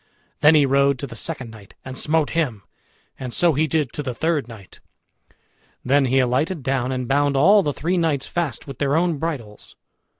Then he rode to the second knight and smote him, and so he did to the third knight. Then he alighted down and bound all the three knights fast with their own bridles.